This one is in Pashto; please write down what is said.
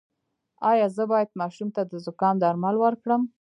ایا زه باید ماشوم ته د زکام درمل ورکړم؟